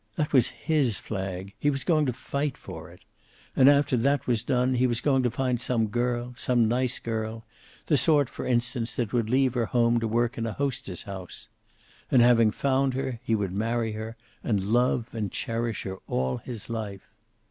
That was his flag. He was going to fight for it. And after that was done he was going to find some girl, some nice girl the sort, for instance, that would leave her home to work in a hostess house. And having found her, he would marry her, and love and cherish her all his life.